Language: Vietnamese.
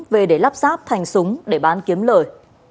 về để lắp ráp thành súng để bán kiếm lời